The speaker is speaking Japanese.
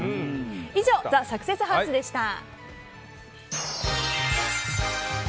以上ＴＨＥサクセスハウスでした。